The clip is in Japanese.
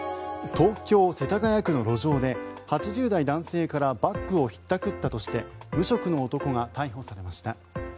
東京・世田谷区の路上で８０代男性からバッグをひったくったとして無職の男が逮捕されました。